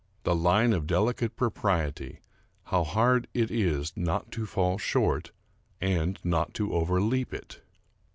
The line of delicate propriety, — how hard it is not to fall short, and not to overleap it